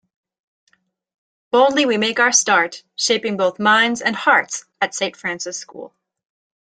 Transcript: Boldly we make our start shaping both mind and hearts at Saint Francis School.